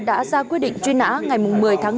đã ra quyết định truy nã ngày một mươi tháng năm